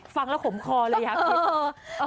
ฟังแล้วขมคอเลยครับ